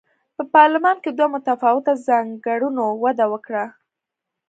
په پارلمان کې دوه متفاوتو ځانګړنو وده وکړه.